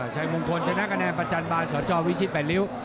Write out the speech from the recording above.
ชัยมุงคลชนะกระแนนประจันบาสจวิชิแป่นริ้ว